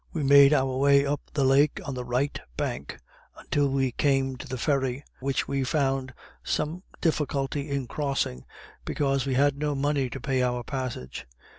We made our way up the lake on the right bank until we came to the ferry, which we found some difficulty in crossing, because we had no money to pay our passage.